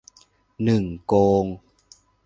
หนึ่ง โกง